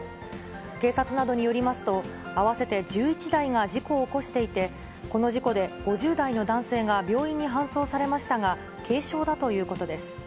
警察などによりますと、合わせて１１台が事故を起こしていて、この事故で５０代の男性が病院に搬送されましたが、軽傷だということです。